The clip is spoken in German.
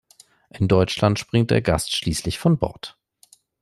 In Deutschland springt der Gast schließlich von Bord.